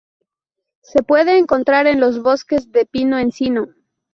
Se puede encontrar en los bosques de Pino-Encino.